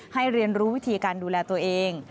เรียนรู้วิธีการดูแลตัวเอง